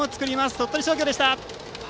鳥取商業でした。